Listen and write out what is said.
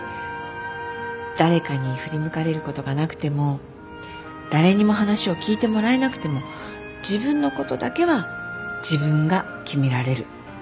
誰かに振り向かれることがなくても誰にも話を聞いてもらえなくても自分のことだけは自分が決められる。